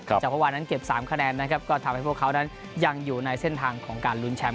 จากเมื่อวานนั้นเก็บ๓คะแนนนะครับก็ทำให้พวกเขานั้นยังอยู่ในเส้นทางของการลุ้นแชมป